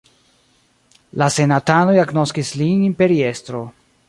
La senatanoj agnoskis lin imperiestro.